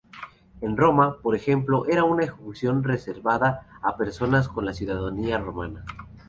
En Roma, por ejemplo, era una ejecución reservada a personas con la ciudadanía romana.